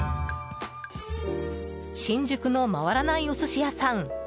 新宿の回らないお寿司屋さん